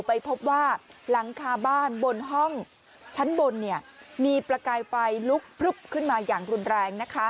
ไปพบว่าหลังคาบ้านบนห้องชั้นบนมีประกายไฟลุกพลึบขึ้นมาอย่างรุนแรงนะคะ